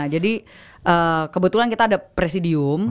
jadi kebetulan kita ada presidium